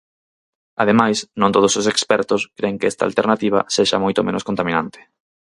Ademais, non todos os expertos cren que esta alternativa sexa moito menos contaminante.